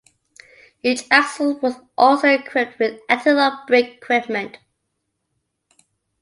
Each axle was also equipped with anti-lock brake equipment.